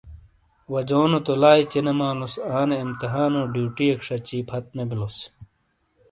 وجونو تو لائی چینیمالوس۔ آنے امتحانو ڈیوٹئیک شچی پھت نے بیلوس ۔